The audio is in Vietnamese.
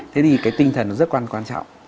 thế thì cái tinh thần nó rất quan trọng